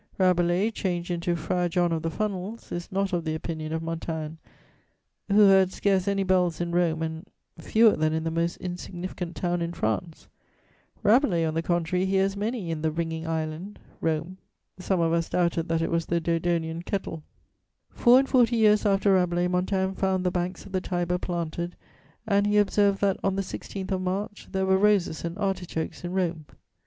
Rabelais, changed into "Friar John of the Funnels," is not of the opinion of Montaigne, who heard scarce any bells in Rome and "fewer than in the most insignificant town in France;" Rabelais, on the contrary, hears many in the "Ringing Island" (Rome): "some of us doubted that it was the Dodonian Kettle." [Sidenote: Old time visitors to Rome.] Four and forty years after Rabelais, Montaigne found the banks of the Tiber planted, and he observed that, on the 16th of March, there were roses and artichokes in Rome.